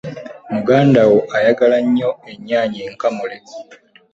Muganda wo ayagala nnyo ennyanya enkamule.